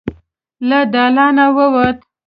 له دالانه ووت.